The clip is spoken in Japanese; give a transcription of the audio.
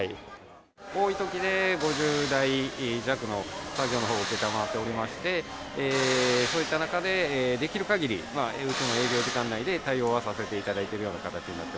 多いときで５０台弱の作業のほうを承っておりまして、そういった中で、できる限り営業時間内で対応はさせていただいているよ